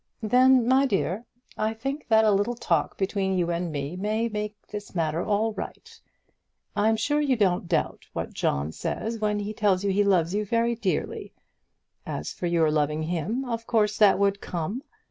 "Then, my dear, I think that a little talk between you and me may make this matter all right. I'm sure you don't doubt John when he says that he loves you very dearly. As for your loving him, of course that would come.